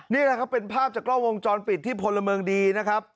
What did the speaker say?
นี่แหละครับเป็นภาพจากกล้องวงจรปิดที่พลเมืองดีนะครับ